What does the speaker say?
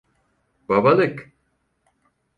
Babalık!